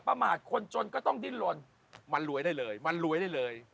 ประมาทคนจนก็ต้องดิ้นลนมันรวยได้เลยมันรวยได้เลย